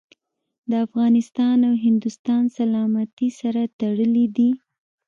د افغانستان او هندوستان سلامتي سره تړلي دي.